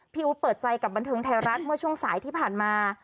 อู๋เปิดใจกับบันเทิงไทยรัฐเมื่อช่วงสายที่ผ่านมา